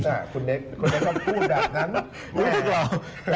คุณเน็กคุณเน็กต้องพูดแบบนั้นแหละ